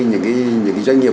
những cái doanh nghiệp